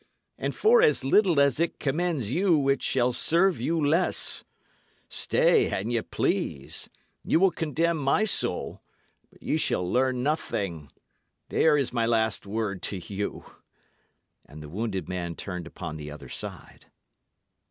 And for as little as it commends you, it shall serve you less. Stay, an ye please. Ye will condemn my soul ye shall learn nothing! There is my last word to you." And the wounded man turned upon the other side.